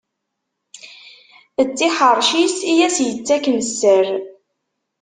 D tiḥerci-s i as-yettaken sser.